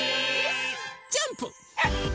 ジャンプ！